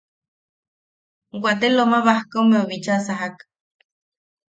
Wate Loma Baskommeu bicha sajak.